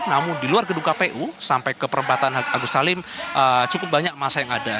namun di luar gedung kpu sampai ke perempatan agus salim cukup banyak masa yang ada